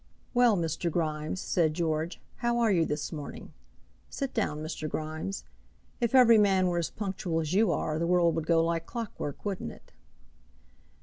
"Well Mr. Grimes," said George, "how are you this morning? Sit down, Mr. Grimes. If every man were as punctual as you are, the world would go like clock work; wouldn't it?"